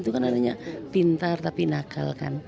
itu kan adanya pintar tapi nakal kan